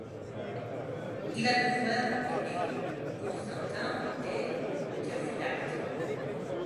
Il a deux frères aînés, Constantin et Théophylacte.